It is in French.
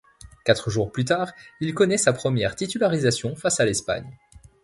Quatre jours plus tard, il connait sa première titularisation face à l'Espagne.